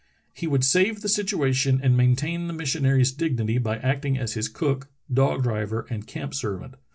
He would save the situation and maintain the missionary's dignity by acting as his cook, dog driver, and camp servant.